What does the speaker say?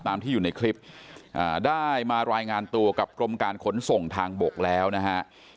ที่อยู่ในคลิปได้มารายงานตัวกับกรมการขนส่งทางบกแล้วนะฮะ